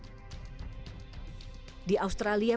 di australia pemerintah bahkan menyebutnya sebagai